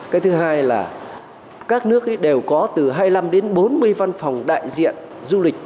cái thứ hai là các nước đều có từ hai mươi năm đến bốn mươi văn phòng đại diện du lịch